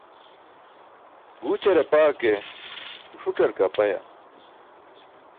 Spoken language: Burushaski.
Guućar apaa ke guṣuc̣ar ke apai.